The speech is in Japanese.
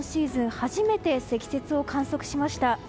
初めて積雪を観測しました。